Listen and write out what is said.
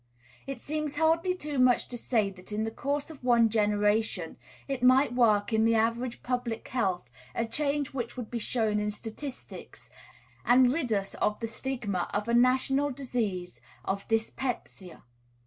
It seems hardly too much to say that in the course of one generation it might work in the average public health a change which would be shown in statistics, and rid us of the stigma of a "national disease" of dyspepsia.